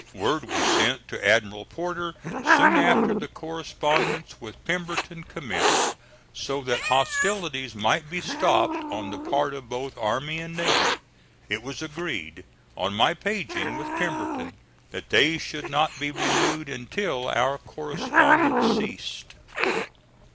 Word was sent to Admiral Porter soon after the correspondence with Pemberton commenced, so that hostilities might be stopped on the part of both army and navy. It was agreed on my paging with Pemberton that they should not be renewed until our correspondence ceased.